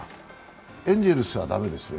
エンゼルスは駄目ですね？